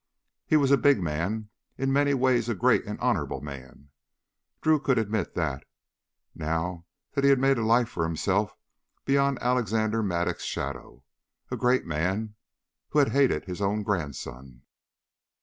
He was a big man, in many ways a great and honorable man. Drew could admit that, now that he had made a life for himself beyond Alexander Mattock's shadow. A great man ... who had hated his own grandson.